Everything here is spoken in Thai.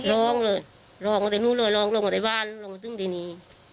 ร้องเลยร้องมาตรงนู้นเลยร้องมาตรงบ้านร้องมาตรงที่นี่